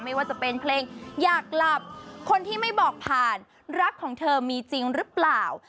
ไม่ว่าจะเป็นเพลงอยากหลับคนที่ไม่บอกผ่านรักของเธอมีจริงหรือเปล่า